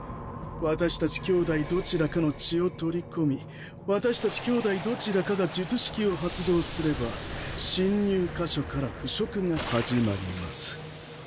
私たち兄弟どちらかの血を取り込み私たち兄弟どちらかが術式を発動すれば侵入箇所から腐蝕が始まります。